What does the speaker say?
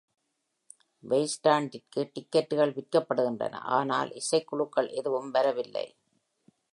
வெய்ன்ஸ்டாக்கிற்கு டிக்கெட்டுகள் விற்கப்படுகின்றன, ஆனால் இசைக்குழுக்கள் எதுவும் வரவில்லை.